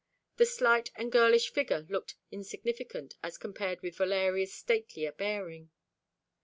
The slight and girlish figure looked insignificant as compared with Valeria's statelier bearing.